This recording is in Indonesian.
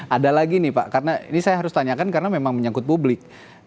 ada lagi nih pak karena ini saya harus tanyakan karena memang menyangkut publik